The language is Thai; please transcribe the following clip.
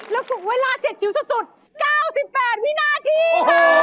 แล้วก็เวลาเฉดชิ้นสุด๙๘วินาทีค่ะ